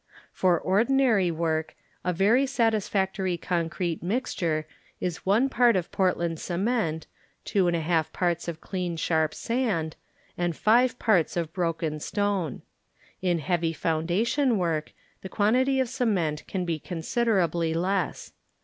For ordinary work a very satisfac tory concrete mixture is 1 part of Port land cement, 2^ parts of clean sharp sand, 5 parts of broken stone. In heavy foundation work, the quantity of cement can be considerably less.